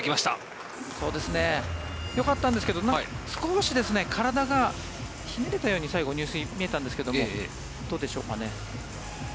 よかったんですけど少し体がひねれたように最後、入水見えたんですけどどうでしょうかね。